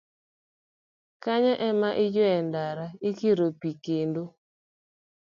Kanyo ema iyweyo e ndara, ikiro pi kendo